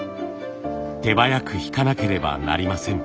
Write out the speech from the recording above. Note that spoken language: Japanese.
手早く引かなければなりません。